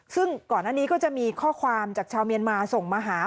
ซึ่งก่อนอันนี้ก็จะมีข้อความจากชาวเมียนมาส่งมาหา